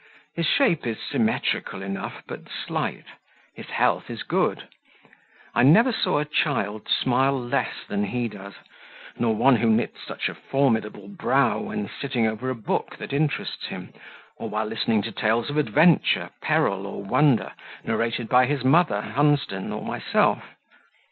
His shape is symmetrical enough, but slight; his health is good. I never saw a child smile less than he does, nor one who knits such a formidable brow when sitting over a book that interests him, or while listening to tales of adventure, peril, or wonder, narrated by his mother, Hunsden, or myself.